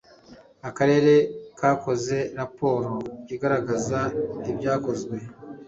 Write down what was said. akarere kakoze raporo igaragaza ibyakozwe